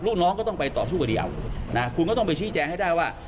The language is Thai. ลูกน้องก็ต้องไปต่อสู้คดีเอานะคุณก็ต้องไปชี้แจงให้ได้ว่า